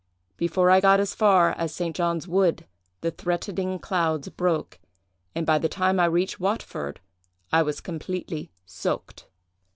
Before I got as far as St. John's wood, the threatening clouds broke, and by the time I reached Watford I was completely soaked.